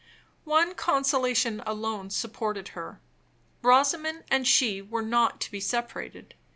One consolation alone supported her: Rosamond and she were not to be separated.